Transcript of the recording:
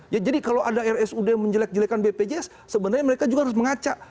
ya jadi kalau ada rsud menjelek jelekan bpjs sebenarnya mereka juga harus mengaca